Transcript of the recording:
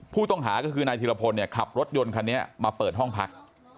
ผู้ต้องหาก็คือนายธิรพลเนี่ยขับรถยนต์คันนี้มาเปิดห้องพัก